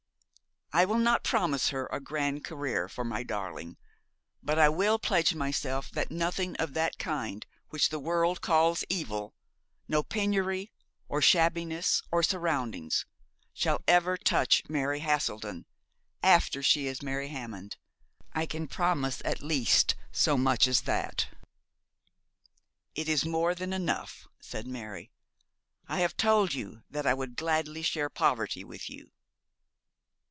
I will not promise her a grand career for my darling: but I will pledge myself that nothing of that kind which the world calls evil no penury, or shabbiness of surroundings shall ever touch Mary Haselden after she is Mary Hammond. I can promise at least so much as that.' 'It is more than enough,' said Mary. 'I have told you that I would gladly share poverty with you.'